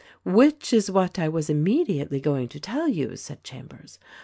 "Which is what I was immediately going to tell you," said Chambers.